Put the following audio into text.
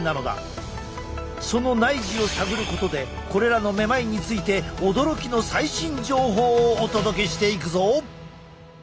この内耳を探ることでこれらのめまいについて驚きの最新情報をお届けしていくぞ！